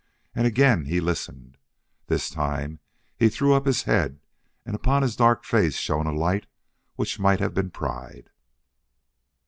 And again he listened. This time he threw up his head and upon his dark face shone a light which might have been pride.